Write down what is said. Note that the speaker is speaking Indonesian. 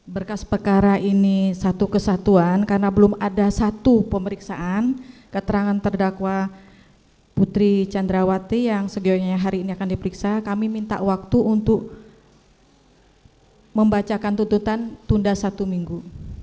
berkas perkara ini satu kesatuan karena belum ada satu pemeriksaan keterangan terdakwa putri candrawati yang sedianya hari ini akan diperiksa kami minta waktu untuk membacakan tuntutan tunda satu minggu